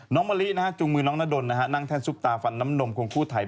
มะลิจูงมือน้องนาดลนั่งแท่นซุปตาฟันน้ำนมควงคู่ไทย